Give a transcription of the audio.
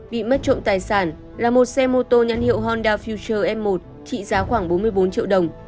bị mất trộm tài sản là một xe mô tô nhắn hiệu honda future m một trị giá khoảng bốn mươi bốn triệu đồng